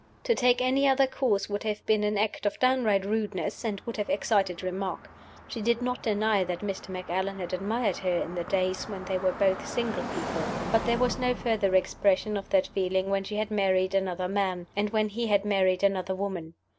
To take any other course would have been an act of downright rudeness, and would have excited remark. She did not deny that Mr. Macallan had admired her in the days when they were both single people. But there was no further expression of that feeling when she had married another man, and when he had married another woman.